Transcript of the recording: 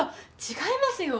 違いますよ。